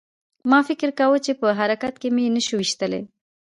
ما فکر کاوه چې په حرکت کې مې نشي ویشتلی